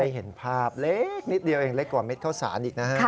ที่ได้เห็นภาพเล็กนิดเดียวเองเล็กกว่าเม็ดเข้าสารอีกนะครับ